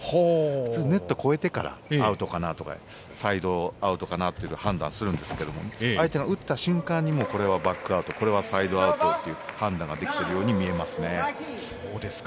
普通、ネットを越えてからサイドアウトかなとか判断するんですけど相手の打った瞬間にもう、これはバックアウトこれはサイドアウトという判断ができているように見えますね。